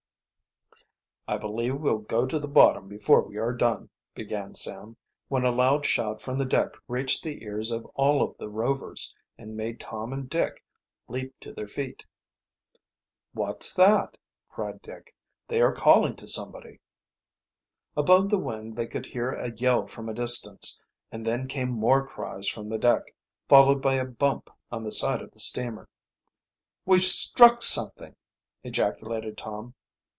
"I believe we'll go to the bottom before we are done," began Sam, when a loud shout from the deck reached the ears of all of the Rovers and made Tom and Dick leap to their feet. "What's that?" cried Dick. "They are calling to somebody!" Above the wind they could hear a yell from a distance, and then came more cries from the deck, followed by a bump on the side of the steamer. "We've struck something!" ejaculated Tom.